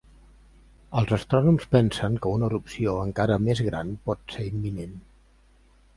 Els astrònoms pensen que una erupció encara més gran pot ser imminent.